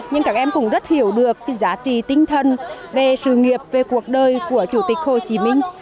nhưng các em cũng rất hiểu được giá trị tinh thần về sự nghiệp về cuộc đời của chủ tịch hồ chí minh